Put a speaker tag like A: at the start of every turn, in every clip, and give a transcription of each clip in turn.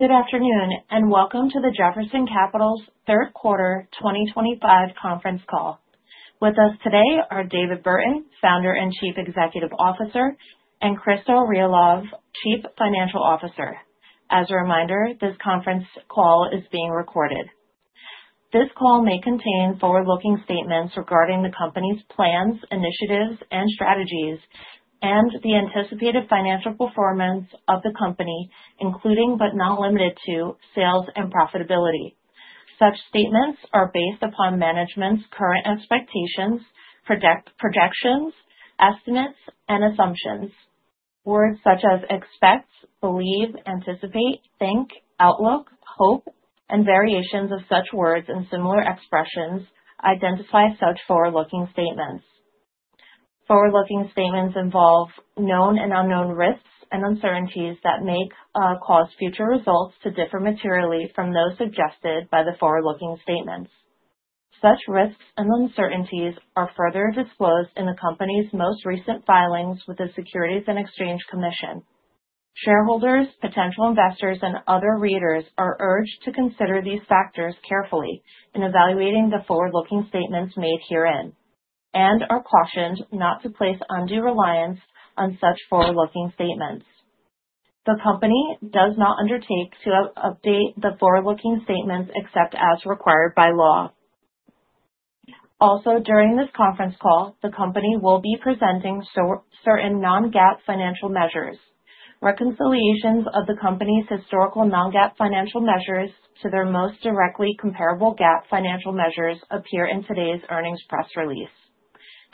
A: Good afternoon and welcome to Jefferson Capital's third quarter 2025 conference call. With us today are David Burton, Founder and Chief Executive Officer, and Christo Realov, Chief Financial Officer. As a reminder, this conference call is being recorded. This call may contain forward-looking statements regarding the company's plans, initiatives, and strategies, and the anticipated financial performance of the company, including but not limited to sales and profitability. Such statements are based upon management's current expectations, projections, estimates, and assumptions. Words such as expect, believe, anticipate, think, outlook, hope, and variations of such words in similar expressions identify such forward-looking statements. Forward-looking statements involve known and unknown risks and uncertainties that may cause future results to differ materially from those suggested by the forward-looking statements. Such risks and uncertainties are further disclosed in the company's most recent filings with the Securities and Exchange Commission. Shareholders, potential investors, and other readers are urged to consider these factors carefully in evaluating the forward-looking statements made herein and are cautioned not to place undue reliance on such forward-looking statements. The company does not undertake to update the forward-looking statements except as required by law. Also, during this conference call, the company will be presenting certain non-GAAP financial measures. Reconciliations of the company's historical non-GAAP financial measures to their most directly comparable GAAP financial measures appear in today's earnings press release.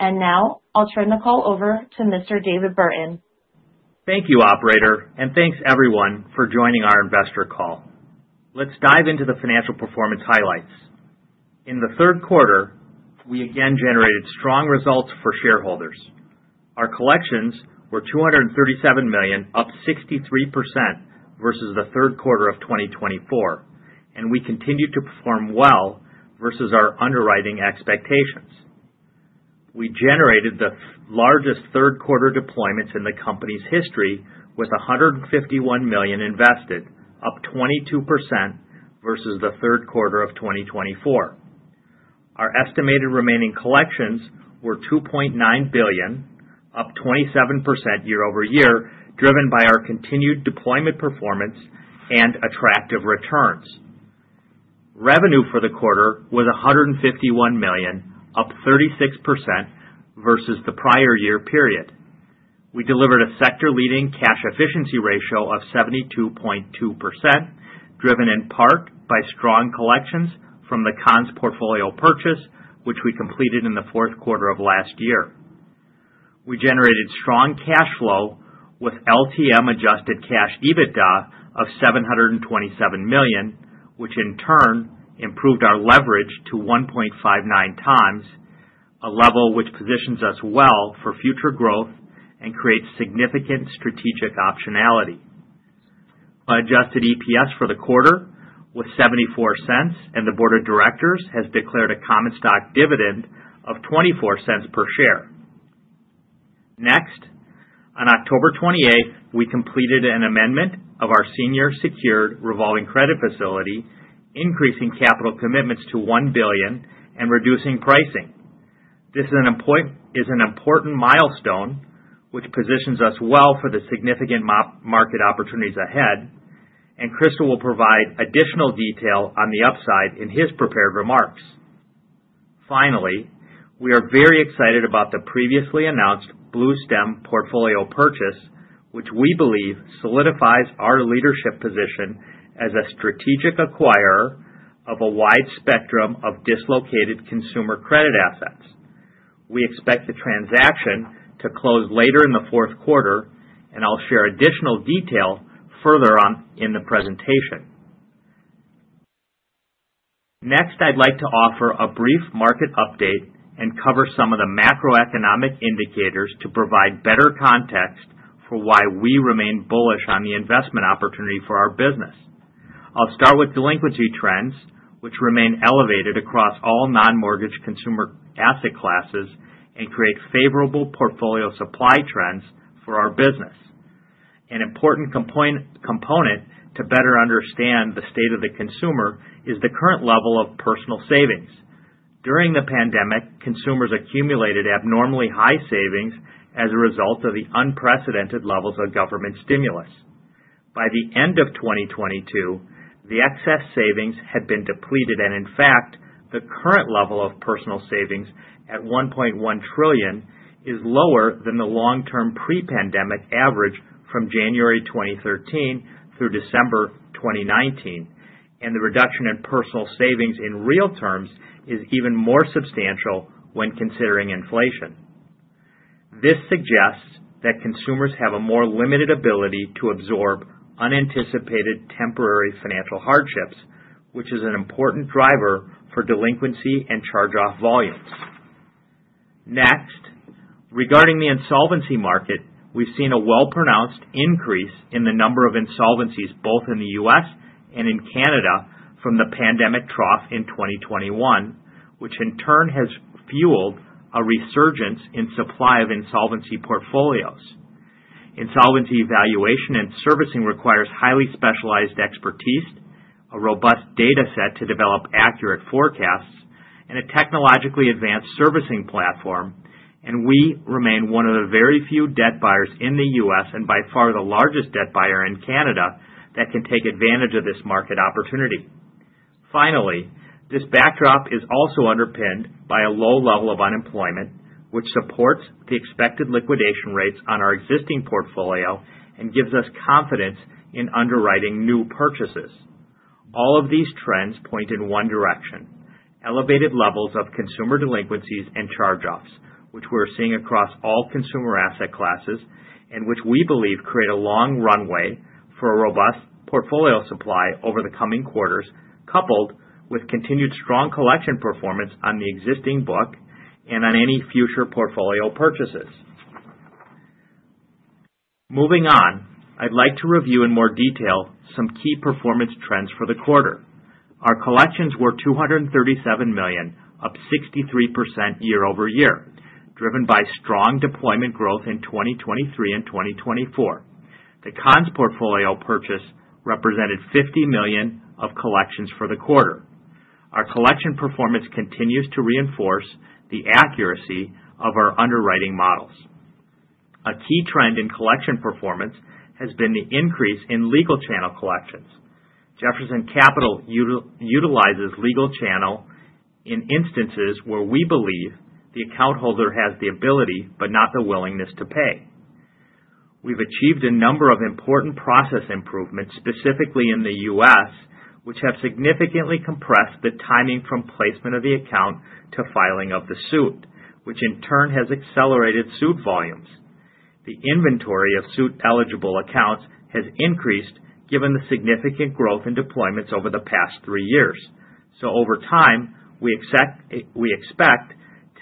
A: Now I'll turn the call over to Mr. David Burton.
B: Thank you, Operator, and thanks everyone for joining our investor call. Let's dive into the financial performance highlights. In the third quarter, we again generated strong results for shareholders. Our collections were $237 million, up 63% versus the third quarter of 2024, and we continued to perform well versus our underwriting expectations. We generated the largest third quarter deployments in the company's history with $151 million invested, up 22% versus the third quarter of 2024. Our estimated remaining collections were $2.9 billion, up 27% year over year, driven by our continued deployment performance and attractive returns. Revenue for the quarter was $151 million, up 36% versus the prior year period. We delivered a sector-leading cash efficiency ratio of 72.2%, driven in part by strong collections from the Conn's portfolio purchase, which we completed in the fourth quarter of last year. We generated strong cash flow with LTM-adjusted cash EBITDA of $727 million, which in turn improved our leverage to 1.59 times, a level which positions us well for future growth and creates significant strategic optionality. Adjusted EPS for the quarter was $0.74, and the board of directors has declared a common stock dividend of $0.24 per share. Next, on October 28th, we completed an amendment of our senior secured revolving credit facility, increasing capital commitments to $1 billion and reducing pricing. This is an important milestone, which positions us well for the significant market opportunities ahead, and Christo will provide additional detail on the upside in his prepared remarks. Finally, we are very excited about the previously announced Blue Stem portfolio purchase, which we believe solidifies our leadership position as a strategic acquirer of a wide spectrum of dislocated consumer credit assets. We expect the transaction to close later in the fourth quarter, and I'll share additional detail further on in the presentation. Next, I'd like to offer a brief market update and cover some of the macroeconomic indicators to provide better context for why we remain bullish on the investment opportunity for our business. I'll start with delinquency trends, which remain elevated across all non-mortgage consumer asset classes and create favorable portfolio supply trends for our business. An important component to better understand the state of the consumer is the current level of personal savings. During the pandemic, consumers accumulated abnormally high savings as a result of the unprecedented levels of government stimulus. By the end of 2022, the excess savings had been depleted, and in fact, the current level of personal savings at $1.1 trillion is lower than the long-term pre-pandemic average from January 2013 through December 2019, and the reduction in personal savings in real terms is even more substantial when considering inflation. This suggests that consumers have a more limited ability to absorb unanticipated temporary financial hardships, which is an important driver for delinquency and charge-off volumes. Next, regarding the insolvency market, we've seen a well-pronounced increase in the number of insolvencies both in the U.S. and in Canada from the pandemic trough in 2021, which in turn has fueled a resurgence in supply of insolvency portfolios. Insolvency evaluation and servicing requires highly specialized expertise, a robust data set to develop accurate forecasts, and a technologically advanced servicing platform, and we remain one of the very few debt buyers in the U.S. and by far the largest debt buyer in Canada that can take advantage of this market opportunity. Finally, this backdrop is also underpinned by a low level of unemployment, which supports the expected liquidation rates on our existing portfolio and gives us confidence in underwriting new purchases. All of these trends point in one direction: elevated levels of consumer delinquencies and charge-offs, which we're seeing across all consumer asset classes and which we believe create a long runway for a robust portfolio supply over the coming quarters, coupled with continued strong collection performance on the existing book and on any future portfolio purchases. Moving on, I'd like to review in more detail some key performance trends for the quarter. Our collections were $237 million, up 63% year over year, driven by strong deployment growth in 2023 and 2024. The Conn's portfolio purchase represented $50 million of collections for the quarter. Our collection performance continues to reinforce the accuracy of our underwriting models. A key trend in collection performance has been the increase in legal channel collections. Jefferson Capital utilizes legal channel in instances where we believe the account holder has the ability but not the willingness to pay. We've achieved a number of important process improvements specifically in the U.S., which have significantly compressed the timing from placement of the account to filing of the suit, which in turn has accelerated suit volumes. The inventory of suit-eligible accounts has increased given the significant growth in deployments over the past three years. Over time, we expect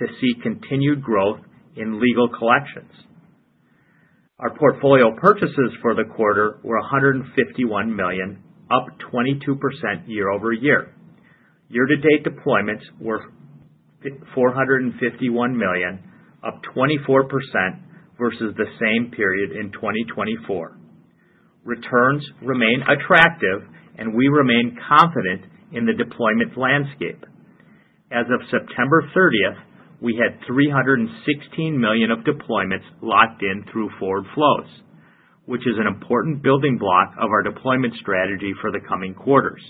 B: to see continued growth in legal collections. Our portfolio purchases for the quarter were $151 million, up 22% year over year. Year-to-date deployments were $451 million, up 24% versus the same period in 2024. Returns remain attractive, and we remain confident in the deployment landscape. As of September 30, we had $316 million of deployments locked in through forward flows, which is an important building block of our deployment strategy for the coming quarters.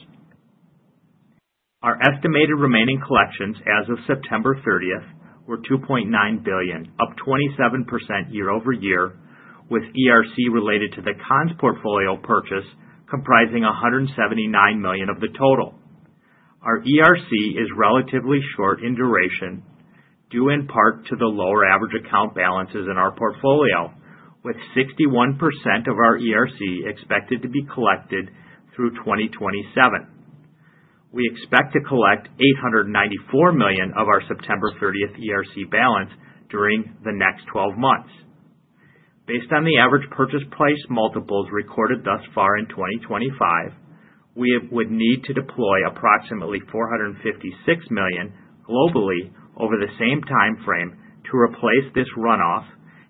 B: Our estimated remaining collections as of September 30 were $2.9 billion, up 27% year over year, with ERC related to the Conn's portfolio purchase comprising $179 million of the total. Our ERC is relatively short in duration, due in part to the lower average account balances in our portfolio, with 61% of our ERC expected to be collected through 2027. We expect to collect $894 million of our September 30 ERC balance during the next 12 months. Based on the average purchase price multiples recorded thus far in 2025, we would need to deploy approximately $456 million globally over the same timeframe to replace this runoff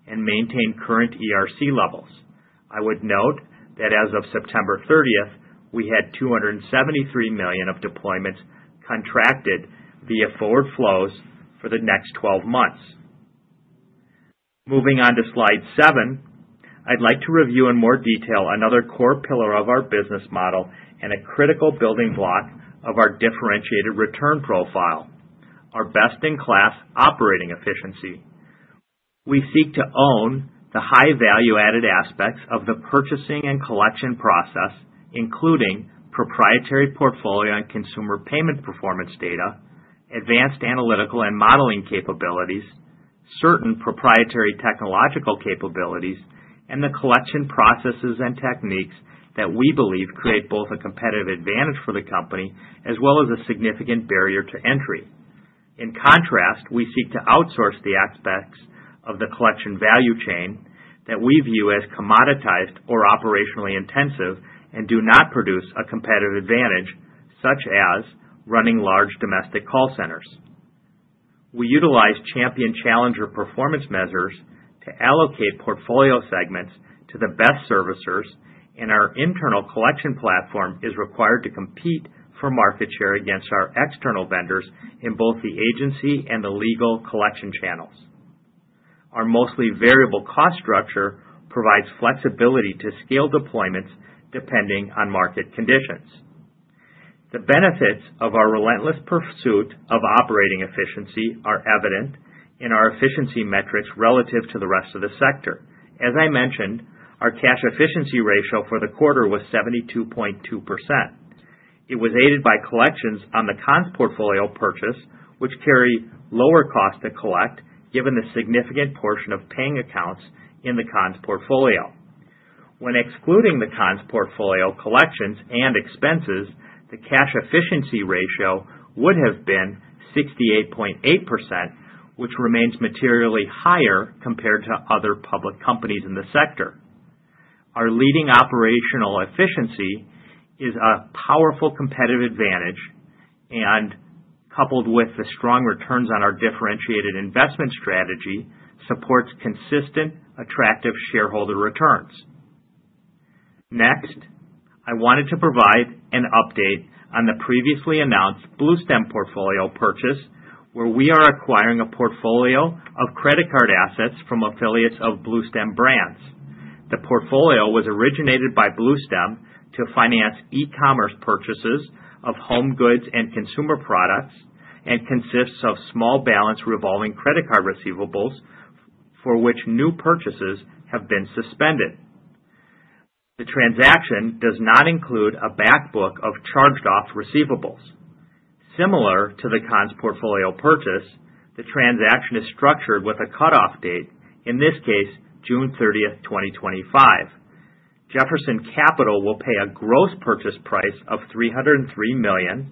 B: and maintain current ERC levels. I would note that as of September 30, we had $273 million of deployments contracted via forward flows for the next 12 months. Moving on to slide seven, I'd like to review in more detail another core pillar of our business model and a critical building block of our differentiated return profile, our best-in-class operating efficiency. We seek to own the high value-added aspects of the purchasing and collection process, including proprietary portfolio and consumer payment performance data, advanced analytical and modeling capabilities, certain proprietary technological capabilities, and the collection processes and techniques that we believe create both a competitive advantage for the company as well as a significant barrier to entry. In contrast, we seek to outsource the aspects of the collection value chain that we view as commoditized or operationally intensive and do not produce a competitive advantage, such as running large domestic call centers. We utilize Champion Challenger performance measures to allocate portfolio segments to the best servicers, and our internal collection platform is required to compete for market share against our external vendors in both the agency and the legal collection channels. Our mostly variable cost structure provides flexibility to scale deployments depending on market conditions. The benefits of our relentless pursuit of operating efficiency are evident in our efficiency metrics relative to the rest of the sector. As I mentioned, our cash efficiency ratio for the quarter was 72.2%. It was aided by collections on the Conn's portfolio purchase, which carry lower cost to collect given the significant portion of paying accounts in the Conn's portfolio. When excluding the Conn's portfolio collections and expenses, the cash efficiency ratio would have been 68.8%, which remains materially higher compared to other public companies in the sector. Our leading operational efficiency is a powerful competitive advantage, and coupled with the strong returns on our differentiated investment strategy, supports consistent, attractive shareholder returns. Next, I wanted to provide an update on the previously announced Blue Stem portfolio purchase, where we are acquiring a portfolio of credit card assets from affiliates of Blue Stem Brands. The portfolio was originated by Blue Stem to finance e-commerce purchases of home goods and consumer products and consists of small balance revolving credit card receivables for which new purchases have been suspended. The transaction does not include a backbook of charged-off receivables. Similar to the Conn's portfolio purchase, the transaction is structured with a cutoff date, in this case, June 30, 2025. Jefferson Capital will pay a gross purchase price of $303 million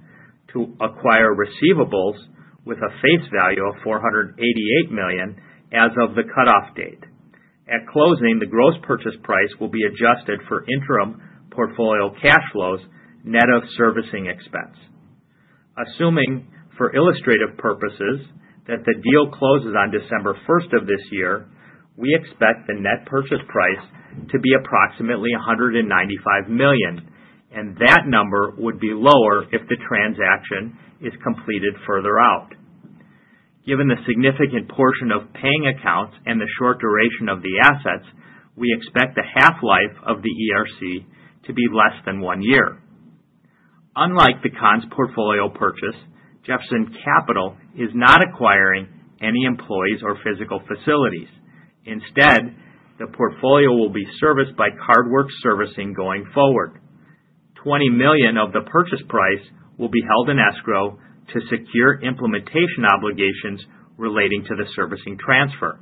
B: to acquire receivables with a face value of $488 million as of the cutoff date. At closing, the gross purchase price will be adjusted for interim portfolio cash flows net of servicing expense. Assuming for illustrative purposes that the deal closes on December 1 of this year, we expect the net purchase price to be approximately $195 million, and that number would be lower if the transaction is completed further out. Given the significant portion of paying accounts and the short duration of the assets, we expect the half-life of the ERC to be less than one year. Unlike the Conn's portfolio purchase, Jefferson Capital is not acquiring any employees or physical facilities. Instead, the portfolio will be serviced by Cardwork Servicing going forward. $20 million of the purchase price will be held in escrow to secure implementation obligations relating to the servicing transfer.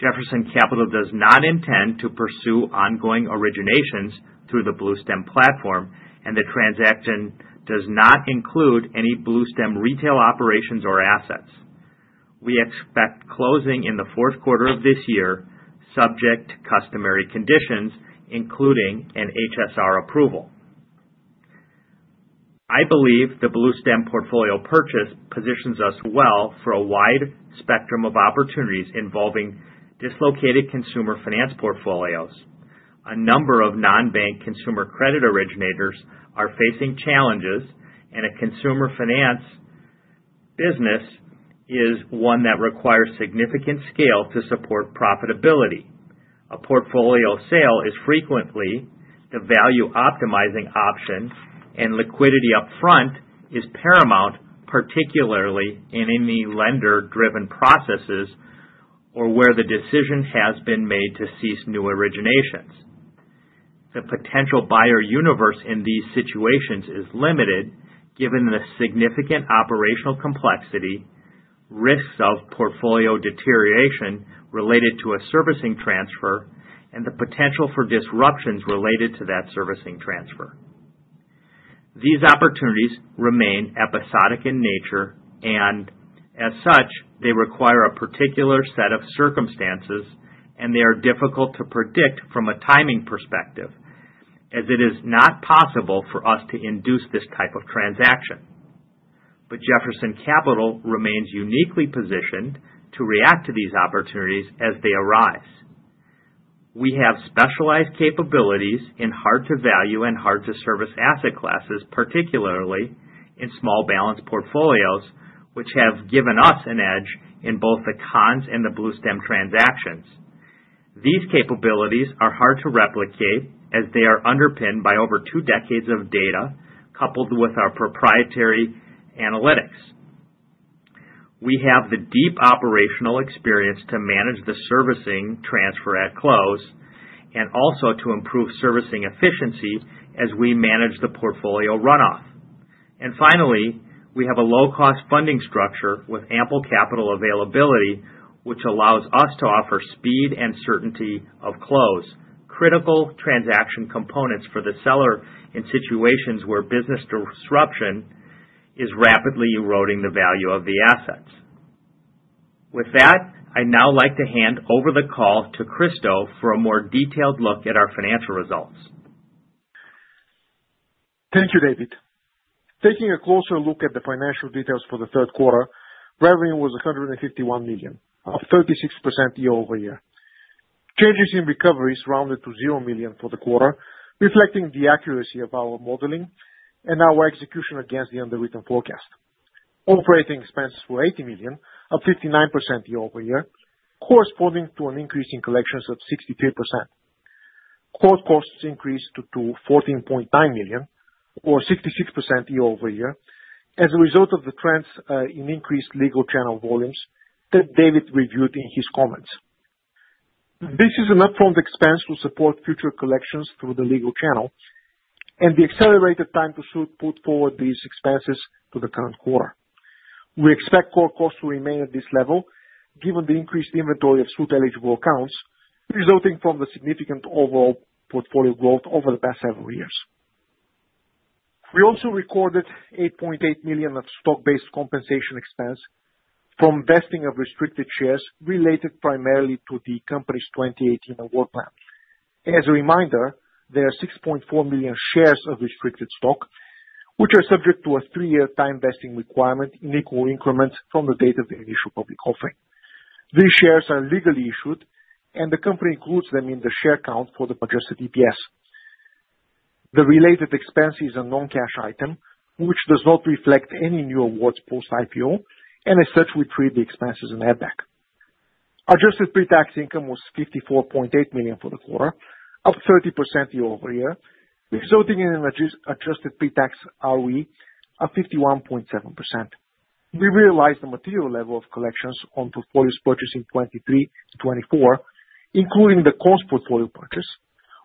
B: Jefferson Capital does not intend to pursue ongoing originations through the Blue Stem platform, and the transaction does not include any Blue Stem retail operations or assets. We expect closing in the fourth quarter of this year, subject to customary conditions, including an HSR approval. I believe the Blue Stem portfolio purchase positions us well for a wide spectrum of opportunities involving dislocated consumer finance portfolios. A number of non-bank consumer credit originators are facing challenges, and a consumer finance business is one that requires significant scale to support profitability. A portfolio sale is frequently the value-optimizing option, and liquidity upfront is paramount, particularly in any lender-driven processes or where the decision has been made to cease new originations. The potential buyer universe in these situations is limited given the significant operational complexity, risks of portfolio deterioration related to a servicing transfer, and the potential for disruptions related to that servicing transfer. These opportunities remain episodic in nature, and as such, they require a particular set of circumstances, and they are difficult to predict from a timing perspective, as it is not possible for us to induce this type of transaction. Jefferson Capital remains uniquely positioned to react to these opportunities as they arise. We have specialized capabilities in hard-to-value and hard-to-service asset classes, particularly in small balance portfolios, which have given us an edge in both the Conn's and the Blue Stem transactions. These capabilities are hard to replicate as they are underpinned by over two decades of data coupled with our proprietary analytics. We have the deep operational experience to manage the servicing transfer at close and also to improve servicing efficiency as we manage the portfolio runoff. Finally, we have a low-cost funding structure with ample capital availability, which allows us to offer speed and certainty of close, critical transaction components for the seller in situations where business disruption is rapidly eroding the value of the assets. With that, I'd now like to hand over the call to Christo for a more detailed look at our financial results.
A: Thank you, David. Taking a closer look at the financial details for the third quarter, revenue was $151 million, up 36% year over year. Changes in recovery rounded to $0 million for the quarter, reflecting the accuracy of our modeling and our execution against the underwritten forecast. Operating expenses were $80 million, up 59% year over year, corresponding to an increase in collections of 63%. Court costs increased to $14.9 million, or 66% year over year, as a result of the trends in increased legal channel volumes that David reviewed in his comments. This is an upfront expense to support future collections through the legal channel and the accelerated time to suit put forward these expenses to the current quarter. We expect court costs to remain at this level given the increased inventory of suit-eligible accounts resulting from the significant overall portfolio growth over the past several years. We also recorded $8.8 million of stock-based compensation expense from vesting of restricted shares related primarily to the company's 2018 award plan. As a reminder, there are 6.4 million shares of restricted stock, which are subject to a three-year time vesting requirement in equal increments from the date of the initial public offering. These shares are legally issued, and the company includes them in the share count for the adjusted EPS. The related expense is a non-cash item, which does not reflect any new awards post-IPO, and as such, we treat the expenses in ABEC. Adjusted pre-tax income was $54.8 million for the quarter, up 30% year over year, resulting in an adjusted pre-tax ROE of 51.7%. We realized the material level of collections on portfolios purchased in 2023 and 2024, including the Conn's portfolio purchase,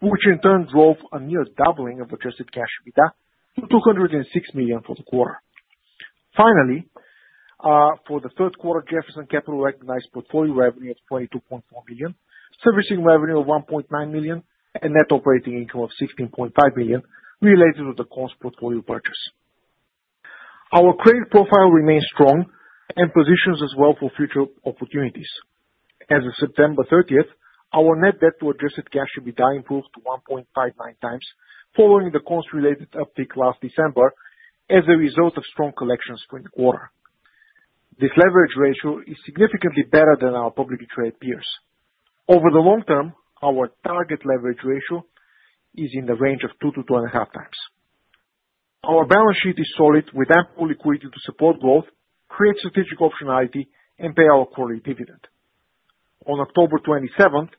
A: which in turn drove a near doubling of adjusted cash EBITDA to $206 million for the quarter. Finally, for the third quarter, Jefferson Capital recognized portfolio revenue of $22.4 million, servicing revenue of $1.9 million, and net operating income of $16.5 million related to the Conn's portfolio purchase. Our credit profile remains strong and positions us well for future opportunities. As of September 30, our net debt to adjusted cash EBITDA improved to 1.59 times, following the Conn's-related uptick last December as a result of strong collections for the quarter. This leverage ratio is significantly better than our publicly traded peers. Over the long term, our target leverage ratio is in the range of 2-2.5 times. Our balance sheet is solid with ample liquidity to support growth, create strategic optionality, and pay our quarterly dividend. On October 27th,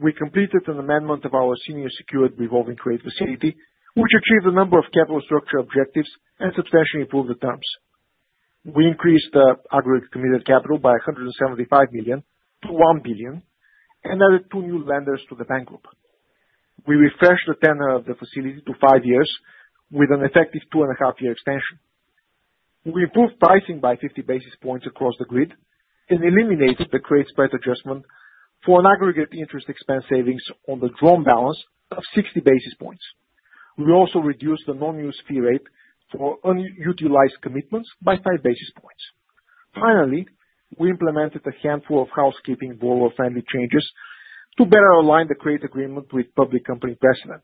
A: we completed an amendment of our senior secured revolving trade facility, which achieved a number of capital structure objectives and substantially improved the terms. We increased the aggregate committed capital by $175 million to $1 billion and added two new lenders to the bank group. We refreshed the tenor of the facility to five years with an effective two-and-a-half-year extension. We improved pricing by 50 basis points across the grid and eliminated the trade spread adjustment for an aggregate interest expense savings on the drawn balance of 60 basis points. We also reduced the non-use fee rate for unutilized commitments by five basis points. Finally, we implemented a handful of housekeeping and borrower-friendly changes to better align the trade agreement with public company precedent.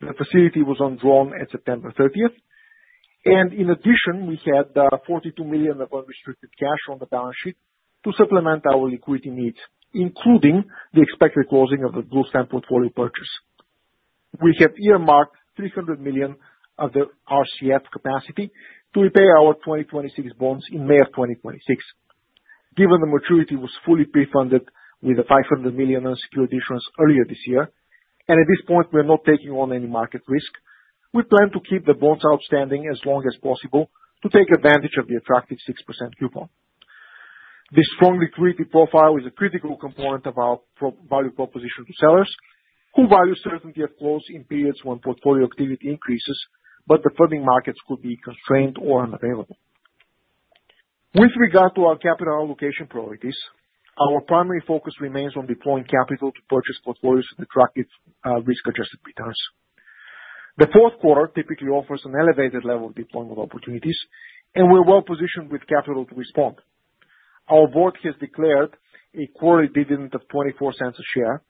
A: The facility was undrawn at September 30, and in addition, we had $42 million of unrestricted cash on the balance sheet to supplement our liquidity needs, including the expected closing of the Blue Stem portfolio purchase. We have earmarked $300 million of the RCF capacity to repay our 2026 bonds in May 2026. Given the maturity was fully pre-funded with a $500 million unsecured issuance earlier this year, and at this point, we are not taking on any market risk, we plan to keep the bonds outstanding as long as possible to take advantage of the attractive 6% coupon. This strong liquidity profile is a critical component of our value proposition to sellers, who value certainty of close in periods when portfolio activity increases, but the funding markets could be constrained or unavailable. With regard to our capital allocation priorities, our primary focus remains on deploying capital to purchase portfolios with attractive risk-adjusted returns. The fourth quarter typically offers an elevated level of deployment opportunities, and we're well-positioned with capital to respond. Our board has declared a quarterly dividend of $0.24 a share,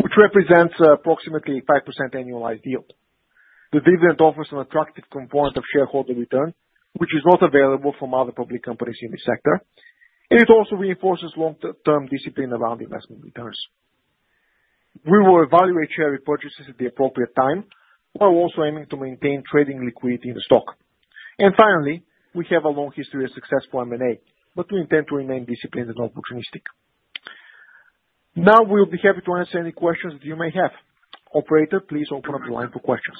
A: which represents approximately a 5% annualized yield. The dividend offers an attractive component of shareholder return, which is not available from other public companies in the sector, and it also reinforces long-term discipline around investment returns. We will evaluate share repurchases at the appropriate time, while also aiming to maintain trading liquidity in the stock. Finally, we have a long history of success for M&A, but we intend to remain disciplined and opportunistic. Now, we'll be happy to answer any questions that you may have. Operator, please open up the line for questions.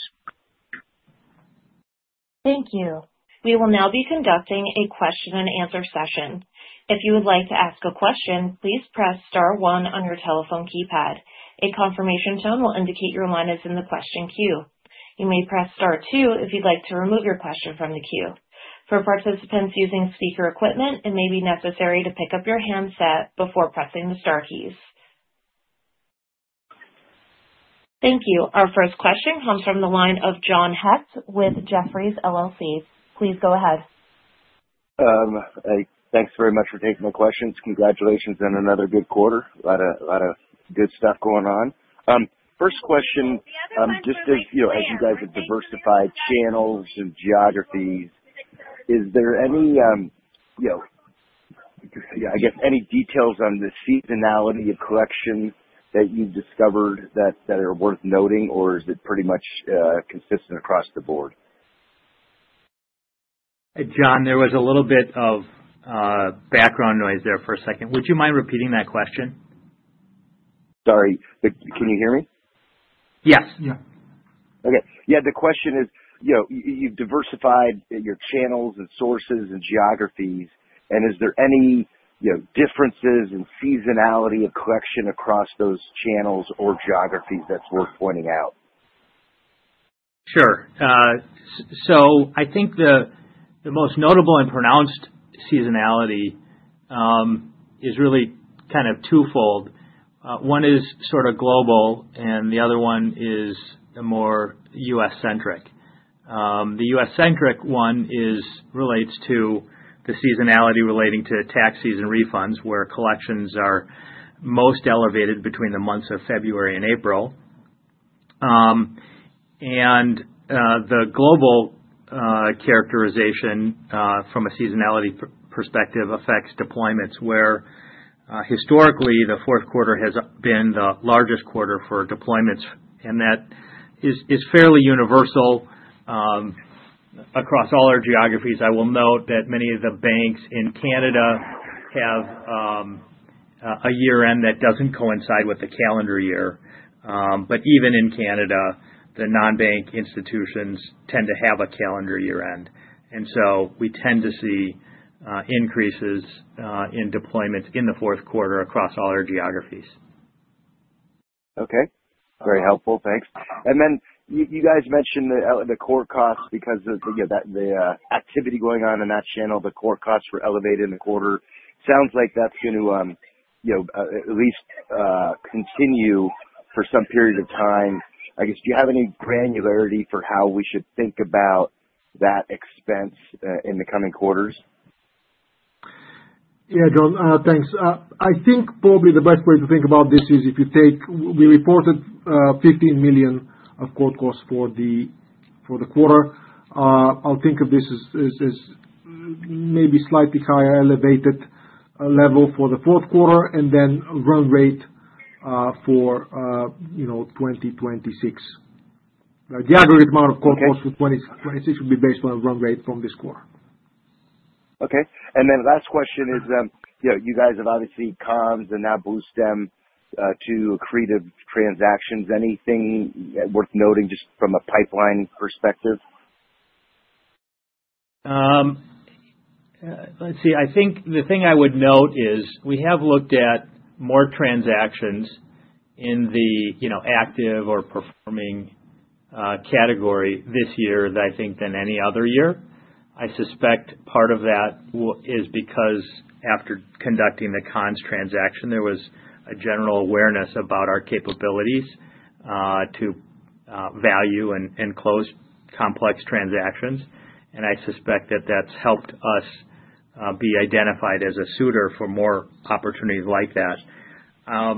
C: Thank you. We will now be conducting a question-and-answer session. If you would like to ask a question, please press star one on your telephone keypad. A confirmation tone will indicate your line is in the question queue. You may press star two if you'd like to remove your question from the queue. For participants using speaker equipment, it may be necessary to pick up your handset before pressing the star keys. Thank you. Our first question comes from the line of John Heckwith Jefferies. Please go ahead.
D: Thanks very much for taking my questions. Congratulations on another good quarter. A lot of good stuff going on. First question, just as you guys have diversified channels and geographies, is there any, I guess, any details on the seasonality of collections that you've discovered that are worth noting, or is it pretty much consistent across the board?
B: John, there was a little bit of background noise there for a second. Would you mind repeating that question?
D: Sorry, can you hear me?
B: Yes.
D: Yeah. Okay. Yeah, the question is, you've diversified your channels and sources and geographies, and is there any differences in seasonality of collection across those channels or geographies that's worth pointing out?
B: Sure. I think the most notable and pronounced seasonality is really kind of twofold. One is sort of global, and the other one is more U.S.-centric. The U.S.-centric one relates to the seasonality relating to tax season refunds, where collections are most elevated between the months of February and April. The global characterization from a seasonality perspective affects deployments, where historically, the fourth quarter has been the largest quarter for deployments, and that is fairly universal across all our geographies. I will note that many of the banks in Canada have a year-end that does not coincide with the calendar year, but even in Canada, the non-bank institutions tend to have a calendar year-end. We tend to see increases in deployments in the fourth quarter across all our geographies.
D: Okay. Very helpful. Thanks. You guys mentioned the court costs because of the activity going on in that channel. The court costs were elevated in the quarter. Sounds like that's going to at least continue for some period of time. I guess, do you have any granularity for how we should think about that expense in the coming quarters?
A: Yeah, John, thanks. I think probably the best way to think about this is if you take we reported $15 million of court costs for the quarter. I'll think of this as maybe slightly higher elevated level for the fourth quarter and then run rate for 2026. The aggregate amount of court costs for 2026 should be based on run rate from this quarter.
D: Okay. And then the last question is, you guys have obviously Conn's and now Blue Stem, two accretive transactions. Anything worth noting just from a pipeline perspective?
B: Let's see. I think the thing I would note is we have looked at more transactions in the active or performing category this year, I think, than any other year. I suspect part of that is because after conducting the Conn's transaction, there was a general awareness about our capabilities to value and close complex transactions, and I suspect that that's helped us be identified as a suitor for more opportunities like that. I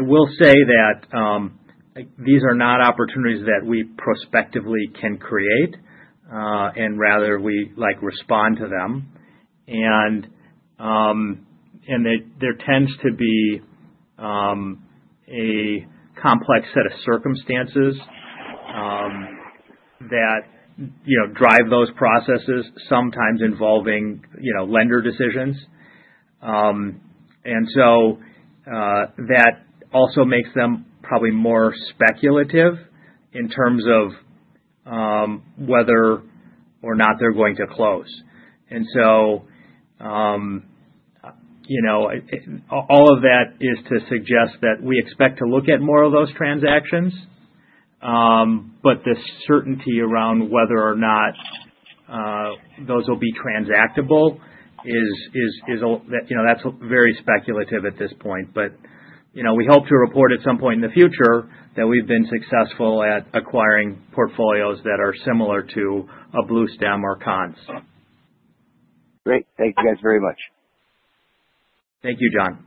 B: will say that these are not opportunities that we prospectively can create, and rather we respond to them. There tends to be a complex set of circumstances that drive those processes, sometimes involving lender decisions. That also makes them probably more speculative in terms of whether or not they're going to close. All of that is to suggest that we expect to look at more of those transactions, but the certainty around whether or not those will be transactable is very speculative at this point. We hope to report at some point in the future that we have been successful at acquiring portfolios that are similar to a Blue Stem or Conn's.
D: Great. Thank you guys very much.
B: Thank you, John.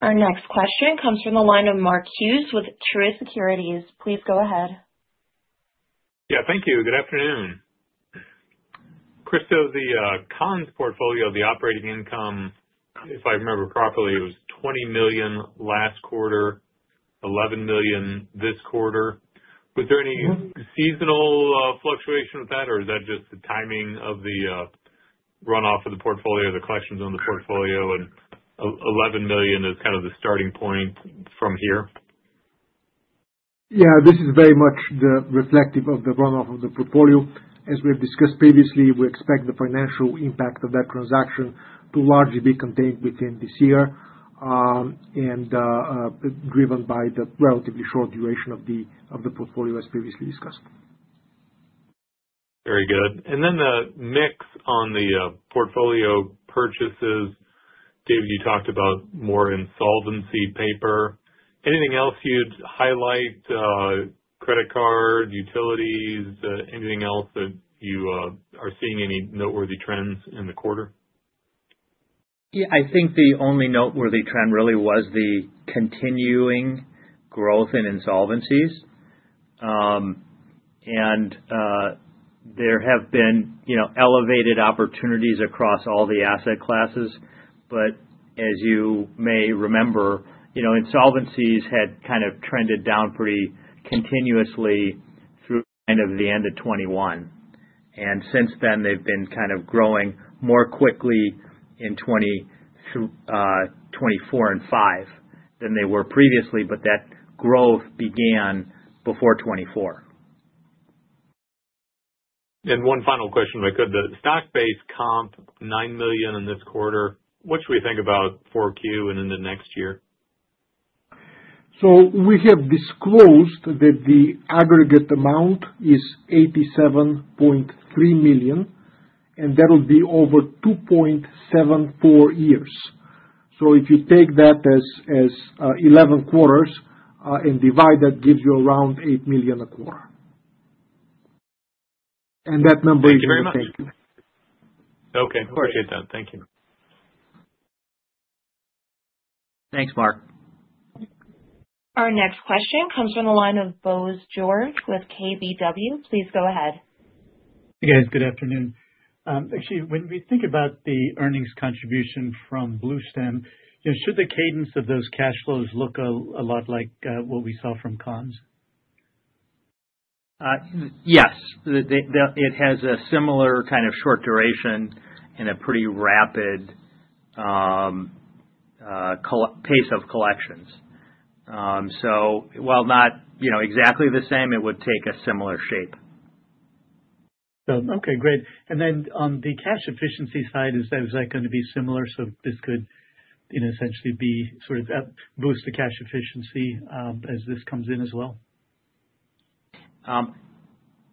C: Our next question comes from the line of Mark Hughes with Truist Securities. Please go ahead.
E: Yeah, thank you. Good afternoon. Christo, the Conn's portfolio, the operating income, if I remember properly, it was $20 million last quarter, $11 million this quarter. Was there any seasonal fluctuation with that, or is that just the timing of the run-off of the portfolio, the collections on the portfolio, and $11 million is kind of the starting point from here?
A: Yeah, this is very much reflective of the run-off of the portfolio. As we've discussed previously, we expect the financial impact of that transaction to largely be contained within this year and driven by the relatively short duration of the portfolio, as previously discussed.
E: Very good. Then the mix on the portfolio purchases, David, you talked about more insolvency paper. Anything else you'd highlight? Credit card, utilities, anything else that you are seeing, any noteworthy trends in the quarter?
B: Yeah, I think the only noteworthy trend really was the continuing growth in insolvencies. There have been elevated opportunities across all the asset classes. As you may remember, insolvencies had kind of trended down pretty continuously through kind of the end of 2021. Since then, they've been kind of growing more quickly in 2024 and 2025 than they were previously, but that growth began before 2024.
E: One final question, Richard. The stock-based comp, $9 million in this quarter, what should we think about for Q and in the next year?
A: We have disclosed that the aggregate amount is $87.3 million, and that will be over 2.74 years. If you take that as 11 quarters and divide that, it gives you around $8 million a quarter. That number is the same.
E: Thank you very much. Okay. Appreciate that. Thank you.
B: Thanks, Mark.
C: Our next question comes from the line of Bose George with KBW. Please go ahead.
F: Hey guys, good afternoon. Actually, when we think about the earnings contribution from Blue Stem, should the cadence of those cash flows look a lot like what we saw from Conn's?
B: Yes. It has a similar kind of short duration and a pretty rapid pace of collections. While not exactly the same, it would take a similar shape.
F: Okay, great. On the cash efficiency side, is that going to be similar? This could essentially be sort of boost the cash efficiency as this comes in as well?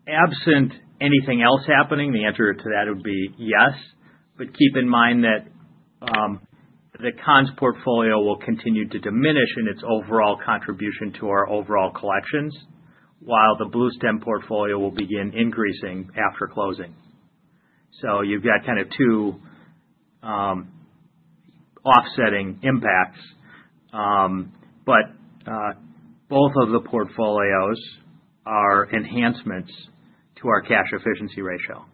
B: Absent anything else happening, the answer to that would be yes. Keep in mind that the Conn's portfolio will continue to diminish in its overall contribution to our overall collections, while the Blue Stem portfolio will begin increasing after closing. You have kind of two offsetting impacts, but both of the portfolios are enhancements to our cash efficiency ratio.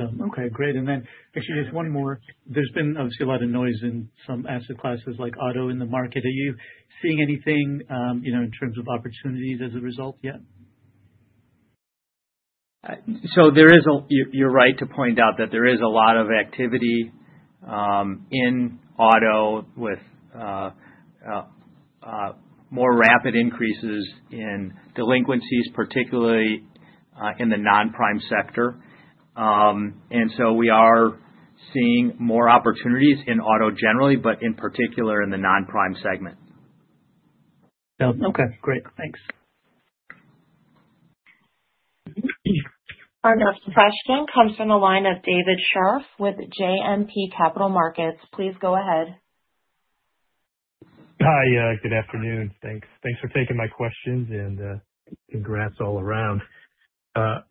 F: Okay, great. Actually, just one more. There's been obviously a lot of noise in some asset classes like auto in the market. Are you seeing anything in terms of opportunities as a result yet?
B: You're right to point out that there is a lot of activity in auto with more rapid increases in delinquencies, particularly in the non-prime sector. We are seeing more opportunities in auto generally, but in particular in the non-prime segment.
F: Okay, great. Thanks.
C: Our next question comes from the line of David Scharf with JMP Capital Markets. Please go ahead.
G: Hi, good afternoon. Thanks for taking my questions and congrats all around. Lots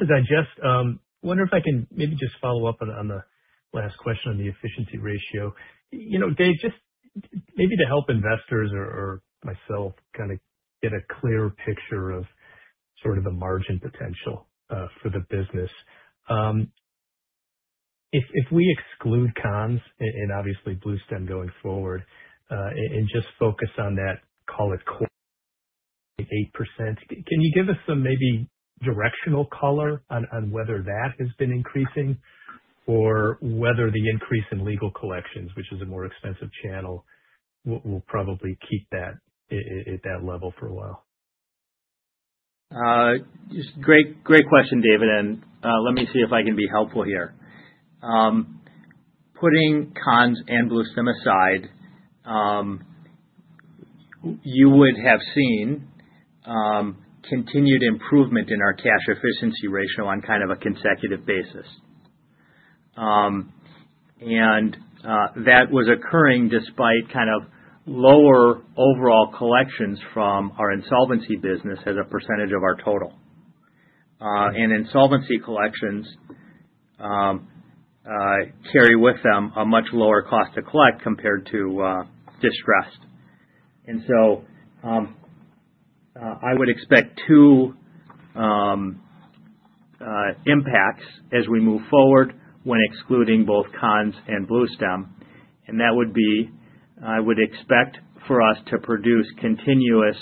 G: to digest. Wonder if I can maybe just follow up on the last question on the efficiency ratio. Dave, just maybe to help investors or myself kind of get a clearer picture of sort of the margin potential for the business. If we exclude Conn's and obviously Blue Stem going forward and just focus on that, call it 8%, can you give us some maybe directional color on whether that has been increasing or whether the increase in legal collections, which is a more expensive channel, will probably keep that at that level for a while?
B: Great question, David. Let me see if I can be helpful here. Putting Conn's and Blue Stem aside, you would have seen continued improvement in our cash efficiency ratio on kind of a consecutive basis. That was occurring despite kind of lower overall collections from our insolvency business as a percentage of our total. Insolvency collections carry with them a much lower cost to collect compared to distressed. I would expect two impacts as we move forward when excluding both Conn's and Blue Stem. I would expect for us to produce continuous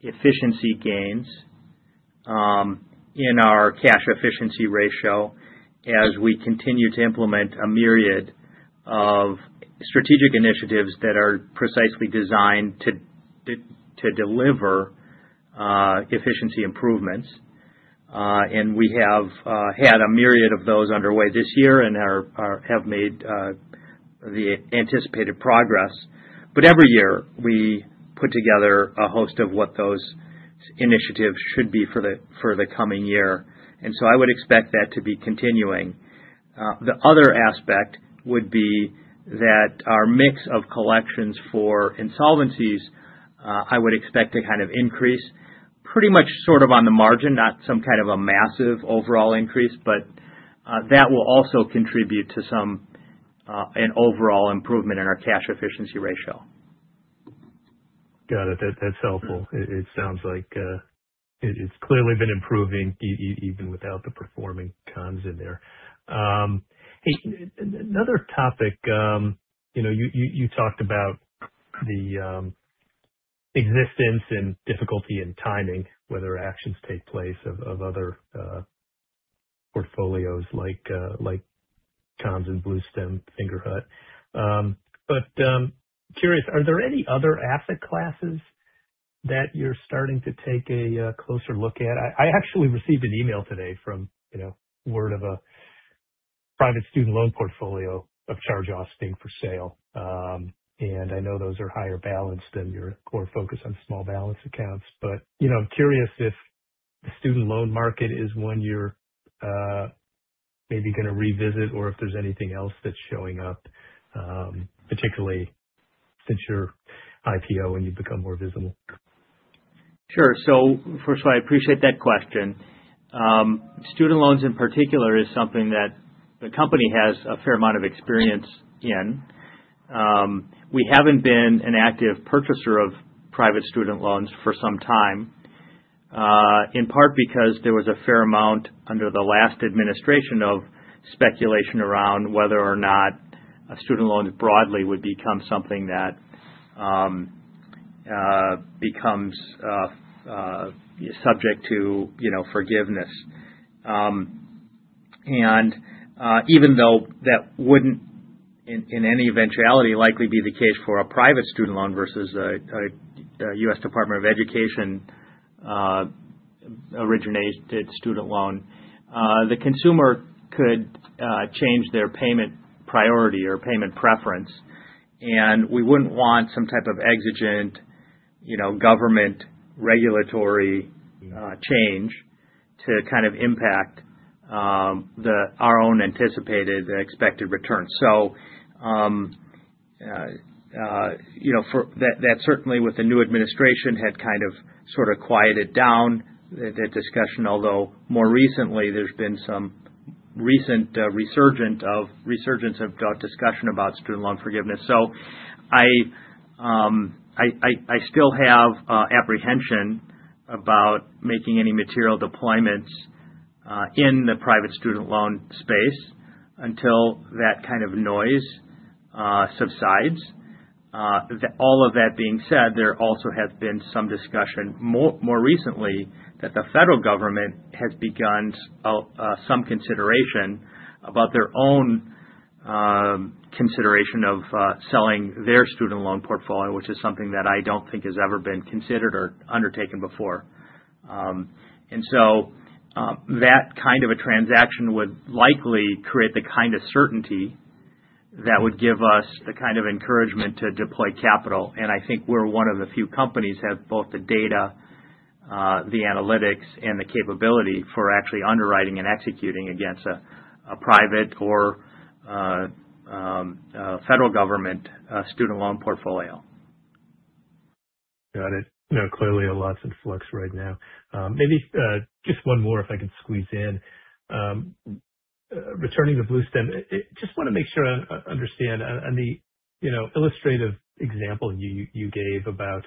B: efficiency gains in our cash efficiency ratio as we continue to implement a myriad of strategic initiatives that are precisely designed to deliver efficiency improvements. We have had a myriad of those underway this year and have made the anticipated progress. Every year, we put together a host of what those initiatives should be for the coming year. I would expect that to be continuing. The other aspect would be that our mix of collections for insolvencies, I would expect to kind of increase pretty much sort of on the margin, not some kind of a massive overall increase, but that will also contribute to an overall improvement in our cash efficiency ratio.
G: Got it. That's helpful. It sounds like it's clearly been improving even without the performing Conn's in there. Hey, another topic. You talked about the existence and difficulty in timing, whether actions take place of other portfolios like Conn's and Blue Stem, Fingerhut. Curious, are there any other asset classes that you're starting to take a closer look at? I actually received an email today from word of a private student loan portfolio of Charge Austin for sale. I know those are higher balance than your core focus on small balance accounts. I'm curious if the student loan market is one you're maybe going to revisit or if there's anything else that's showing up, particularly since your IPO and you've become more visible.
B: Sure. First of all, I appreciate that question. Student loans in particular is something that the company has a fair amount of experience in. We have not been an active purchaser of private student loans for some time, in part because there was a fair amount under the last administration of speculation around whether or not student loans broadly would become something that becomes subject to forgiveness. Even though that would not in any eventuality likely be the case for a private student loan versus a U.S. Department of Education originated student loan, the consumer could change their payment priority or payment preference. We would not want some type of exigent government regulatory change to kind of impact our own anticipated expected return. That certainly with the new administration had kind of sort of quieted down that discussion, although more recently there's been some recent resurgence of discussion about student loan forgiveness. I still have apprehension about making any material deployments in the private student loan space until that kind of noise subsides. All of that being said, there also has been some discussion more recently that the federal government has begun some consideration about their own consideration of selling their student loan portfolio, which is something that I don't think has ever been considered or undertaken before. That kind of a transaction would likely create the kind of certainty that would give us the kind of encouragement to deploy capital. I think we're one of the few companies that have both the data, the analytics, and the capability for actually underwriting and executing against a private or federal government student loan portfolio.
G: Got it. Clearly a lot's in flux right now. Maybe just one more if I can squeeze in. Returning to Blue Stem, just want to make sure I understand. On the illustrative example you gave about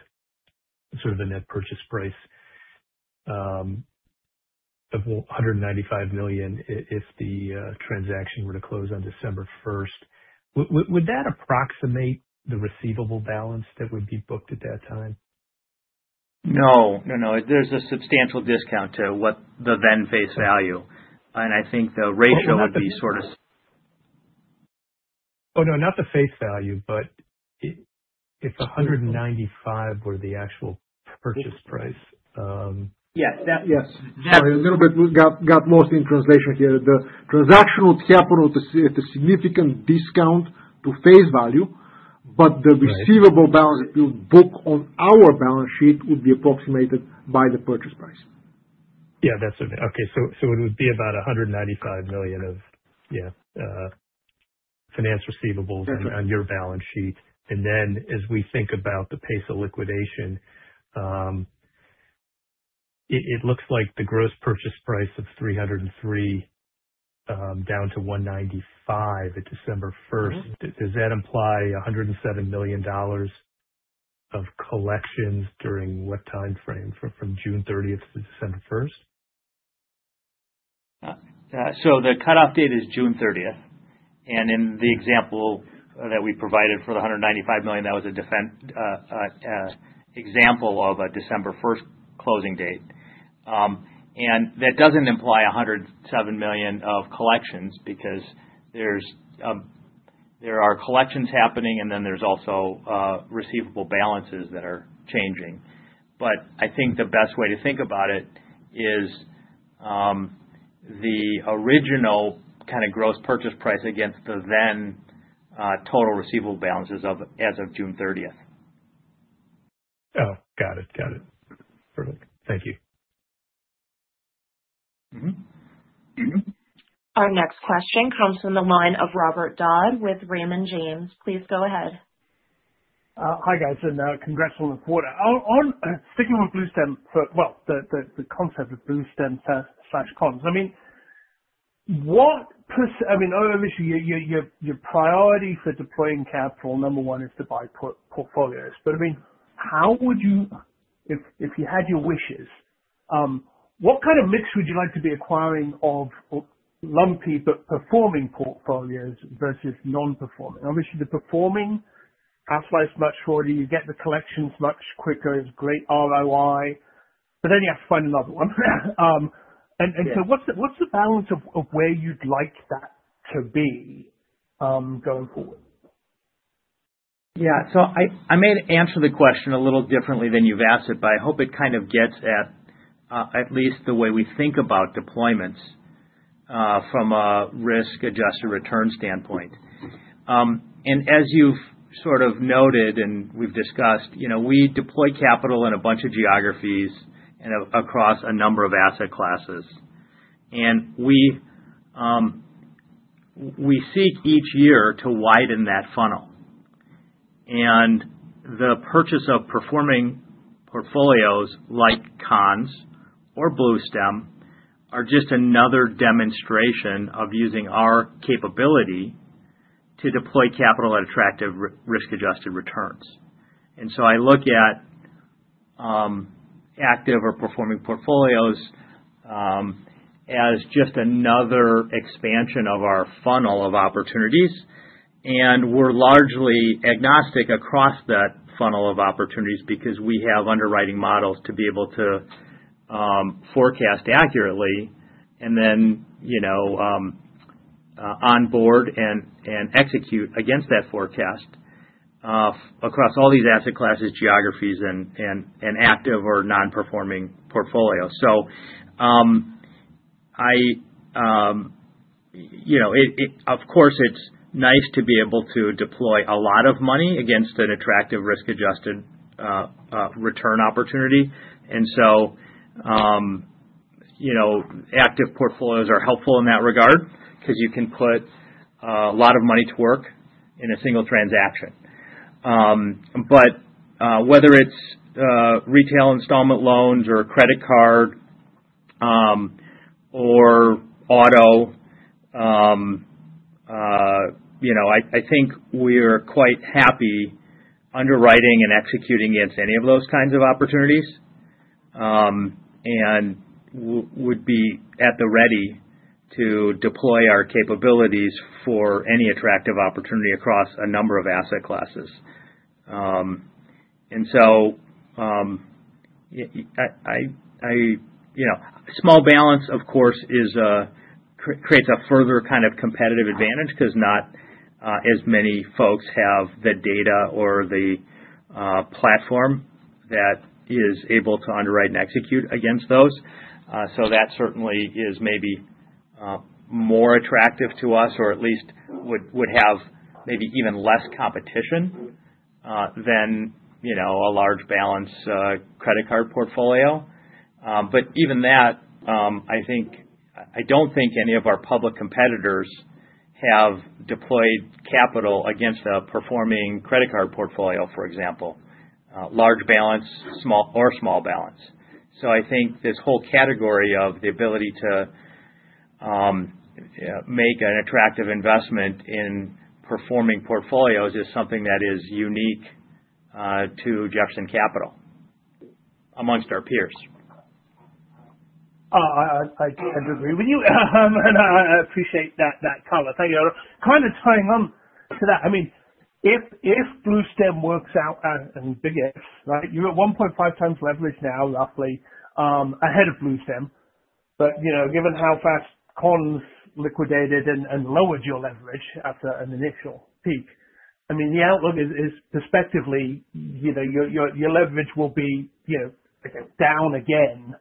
G: sort of a net purchase price of $195 million if the transaction were to close on December 1, would that approximate the receivable balance that would be booked at that time?
B: No, no. There's a substantial discount to what the then face value. I think the ratio would be sort of.
G: Oh, no, not the face value, but if $195 were the actual purchase price.
A: Yes. Sorry, a little bit got lost in translation here. The transactional capital is a significant discount to face value, but the receivable balance book on our balance sheet would be approximated by the purchase price.
G: Yeah, that's okay. So it would be about $195 million of finance receivables on your balance sheet. And then as we think about the pace of liquidation, it looks like the gross purchase price of $303 million down to $195 million at December 1st. Does that imply $107 million of collections during what timeframe from June 30th to December 1st?
B: The cutoff date is June 30th. In the example that we provided for the $195 million, that was an example of a December 1st closing date. That does not imply $107 million of collections because there are collections happening and then there are also receivable balances that are changing. I think the best way to think about it is the original kind of gross purchase price against the then total receivable balances as of June 30th.
G: Oh, got it. Got it. Perfect. Thank you.
C: Our next question comes from the line of Robert Dodd with Raymond James. Please go ahead.
H: Hi guys. And congrats on the quarter. Sticking with Blue Stem, the concept of Blue Stem/Conn's. I mean, obviously, your priority for deploying capital, number one, is to buy portfolios. I mean, how would you, if you had your wishes, what kind of mix would you like to be acquiring of lumpy but performing portfolios versus non-performing? Obviously, the performing half-life is much shorter. You get the collections much quicker. It's great ROI. But then you have to find another one. What's the balance of where you'd like that to be going forward?
B: Yeah. I may answer the question a little differently than you've asked it, but I hope it kind of gets at at least the way we think about deployments from a risk-adjusted return standpoint. As you've sort of noted and we've discussed, we deploy capital in a bunch of geographies across a number of asset classes. We seek each year to widen that funnel. The purchase of performing portfolios like Conn's or Blue Stem are just another demonstration of using our capability to deploy capital at attractive risk-adjusted returns. I look at active or performing portfolios as just another expansion of our funnel of opportunities. We're largely agnostic across that funnel of opportunities because we have underwriting models to be able to forecast accurately and then onboard and execute against that forecast across all these asset classes, geographies, and active or non-performing portfolios. Of course, it's nice to be able to deploy a lot of money against an attractive risk-adjusted return opportunity. Active portfolios are helpful in that regard because you can put a lot of money to work in a single transaction. Whether it's retail installment loans or credit card or auto, I think we're quite happy underwriting and executing against any of those kinds of opportunities and would be at the ready to deploy our capabilities for any attractive opportunity across a number of asset classes. Small balance, of course, creates a further kind of competitive advantage because not as many folks have the data or the platform that is able to underwrite and execute against those. That certainly is maybe more attractive to us or at least would have maybe even less competition than a large balance credit card portfolio. Even that, I do not think any of our public competitors have deployed capital against a performing credit card portfolio, for example, large balance or small balance. I think this whole category of the ability to make an attractive investment in performing portfolios is something that is unique to Jefferson Capital amongst our peers.
H: I do agree with you. I appreciate that, Carlos. Thank you. Kind of tying on to that, I mean, if Blue Stem works out and big X, right, you're at 1.5x leverage now, roughly ahead of Blue Stem. Given how fast Conn's liquidated and lowered your leverage after an initial peak, I mean, the outlook is perspectively your leverage will be down again.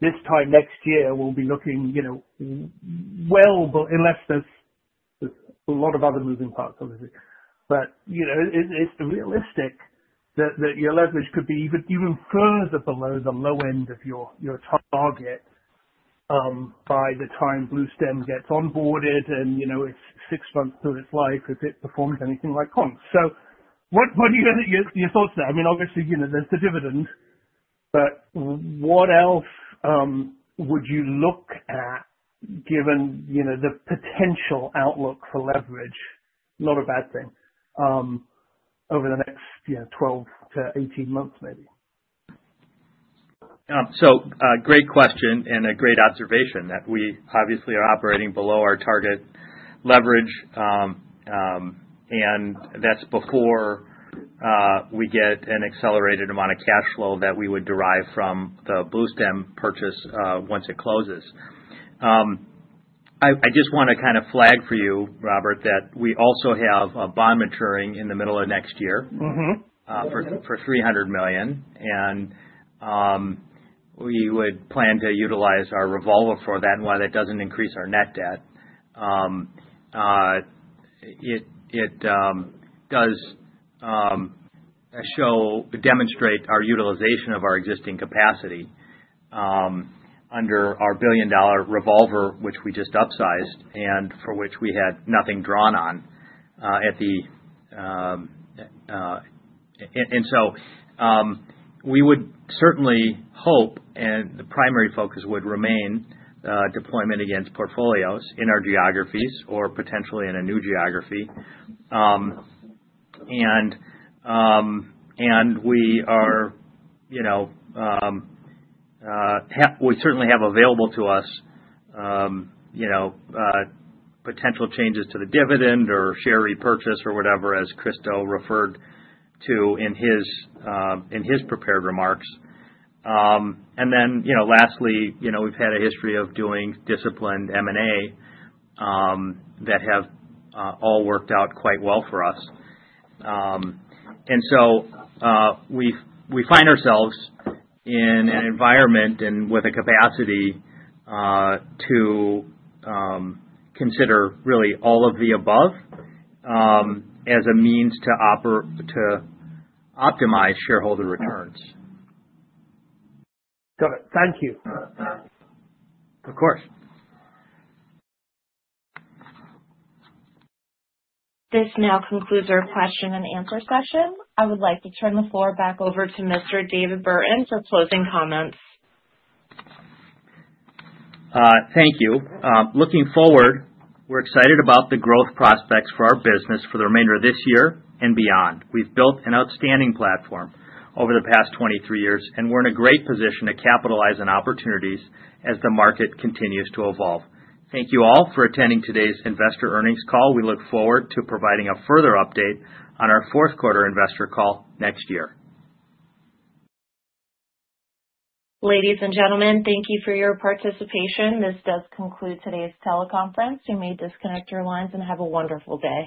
H: This time next year, we'll be looking, unless there's a lot of other moving parts, obviously. It is realistic that your leverage could be even further below the low end of your target by the time Blue Stem gets onboarded and it's six months to its life if it performs anything like Conn's. What are your thoughts there? I mean, obviously, there's the dividend, but what else would you look at given the potential outlook for leverage, not a bad thing, over the next 12 to 18 months maybe?
B: Great question and a great observation that we obviously are operating below our target leverage, and that's before we get an accelerated amount of cash flow that we would derive from the Blue Stem purchase once it closes. I just want to kind of flag for you, Robert, that we also have a bond maturing in the middle of next year for $300 million. We would plan to utilize our revolver for that and why that does not increase our net debt. It does demonstrate our utilization of our existing capacity under our billion-dollar revolver, which we just upsized and for which we had nothing drawn on at the end. We would certainly hope and the primary focus would remain deployment against portfolios in our geographies or potentially in a new geography. We certainly have available to us potential changes to the dividend or share repurchase or whatever, as Christo referred to in his prepared remarks. Lastly, we've had a history of doing disciplined M&A that have all worked out quite well for us. We find ourselves in an environment and with a capacity to consider really all of the above as a means to optimize shareholder returns.
A: Got it. Thank you.
B: Of course.
C: This now concludes our question-and-answer session. I would like to turn the floor back over to Mr. David Burton for closing comments.
B: Thank you. Looking forward, we're excited about the growth prospects for our business for the remainder of this year and beyond. We've built an outstanding platform over the past 23 years, and we're in a great position to capitalize on opportunities as the market continues to evolve. Thank you all for attending today's investor earnings call. We look forward to providing a further update on our fourth quarter investor call next year.
C: Ladies and gentlemen, thank you for your participation. This does conclude today's teleconference. You may disconnect your lines and have a wonderful day.